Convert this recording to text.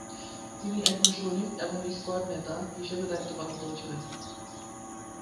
তিনি একজন সৈনিক এবং স্কোয়াড নেতা হিসেবে দায়িত্ব পালন করেছিলেন।